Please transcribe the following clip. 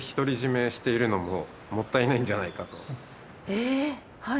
えっはい。